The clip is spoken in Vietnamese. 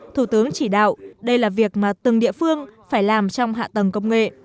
thủ tướng chỉ đạo đây là việc mà từng địa phương phải làm trong hạ tầng công nghệ